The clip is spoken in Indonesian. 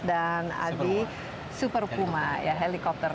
dan adi super puma ya helikopter